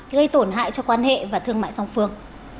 gây tổn hại cho quan hệ và thương mại song phương